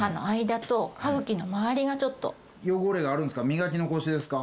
磨き残しですか？